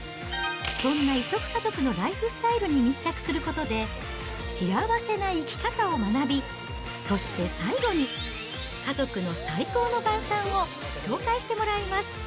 そんな異色家族のライフスタイルに密着することで、幸せな生き方を学び、そして最後に、家族の最高の晩さんを紹介してもらいます。